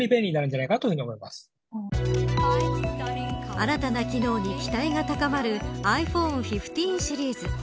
新たな機能に期待が高まるｉＰｈｏｎｅ１５シリーズ。